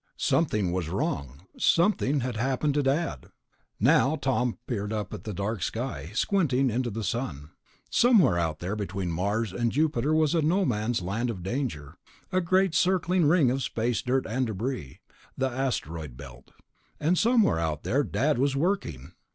Something was wrong. Something had happened to Dad. Now Tom peered up at the dark sky, squinting into the sun. Somewhere out there between Mars and Jupiter was a no man's land of danger, a great circling ring of space dirt and debris, the Asteroid belt. And somewhere out there, Dad was working.